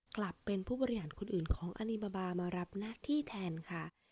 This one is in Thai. กลับเป็นผู้บริหารคนอื่นของอลิบาบามารับหน้าที่แทนค่ะ